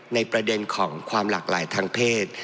ในประเด็นของความหลากหลายทางเพศ